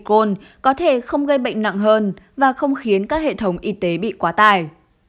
khi trước đó họ cho rằng biến thể omicron có thể không gây bệnh nặng hơn và không khiến các hệ thống y tế bị quá tải